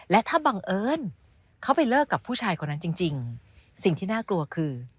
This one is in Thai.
และถ้าบังเอิญเขาไปเลิกกับผู้ชายคนนั้นจริงสิ่งที่น่ากลัวคือ